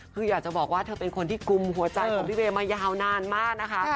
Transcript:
คืออยากจะบอกว่าเธอเป็นคนที่กุมหัวใจของพี่เวย์มายาวนานมากนะคะ